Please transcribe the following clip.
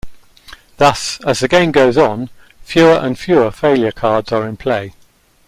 Thus, as the game goes on, fewer and fewer failure cards are in play.